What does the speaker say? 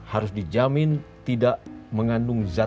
harus dijamin tidak mengandung zat